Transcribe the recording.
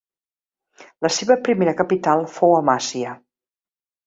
La seva primera capital fou Amasya.